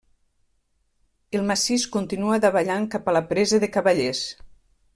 El massís continua davallant cap a la Presa de Cavallers.